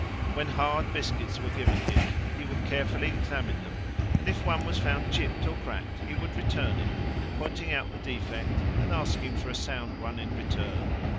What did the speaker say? When hard biscuits were given him, he would carefully examine them, and if one was found chipped or cracked he would return it, pointing out the defect, and ask for a sound one in return.